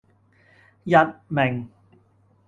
佚名